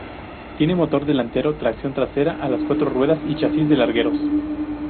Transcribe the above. Tiene motor delantero, tracción trasera o a las cuatro ruedas, y chasis de largueros.